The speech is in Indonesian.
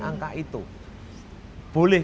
angka itu boleh